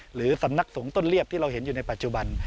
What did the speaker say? หรือสำนักสงฆ์ต้นเรียบที่เราเห็นอยู่ในปัจจุบัน